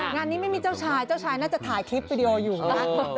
งานนี้ไม่มีเจ้าชายเจ้าชายน่าจะถ่ายคลิปวิดีโออยู่นะ